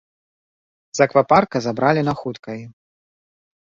З аквапарка забралі на хуткай.